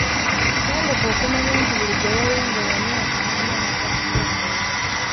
Tandika okumanya nti buli gye weeyongera emyaka n'amaanyi gakukendeera.